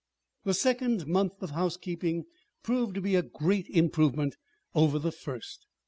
The second month of housekeeping proved to be a great improvement over the first.